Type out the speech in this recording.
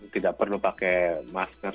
tidak perlu pakai masker